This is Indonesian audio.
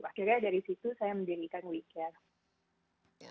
akhirnya dari situ saya mendirikan weekend